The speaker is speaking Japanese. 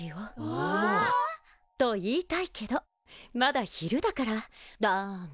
うわ！と言いたいけどまだ昼だからダメ。